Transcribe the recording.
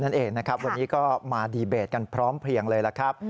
วันนี้ก็มาเดบเบตกันพร้อมเผียงเลยล่ะครับ